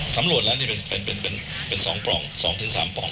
สำรวจแล้วนี่เป็นสองปล่องสองถึงสามปล่องนะครับสามปล่องนะครับสามปล่อง